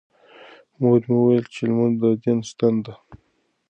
مور مې وویل چې لمونځ د دین ستنه ده.